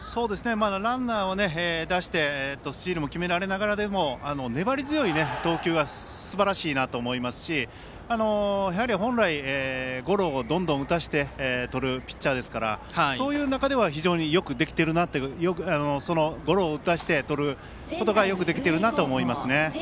ランナーを出してスチールを決められながらでも粘り強い投球はすばらしいと思いますしやはり本来ゴロを打たせてとるピッチャーですからそういう中では非常によくゴロを打たせてとることがよくできているなと思いますね。